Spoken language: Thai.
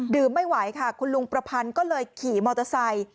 ไม่ไหวค่ะคุณลุงประพันธ์ก็เลยขี่มอเตอร์ไซค์